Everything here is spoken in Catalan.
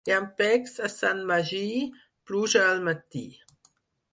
Llampecs a Sant Magí, pluja al matí.